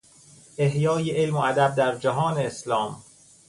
احیای علم و ادب در جهان اسلام